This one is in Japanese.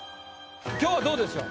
今日はどうでしょう？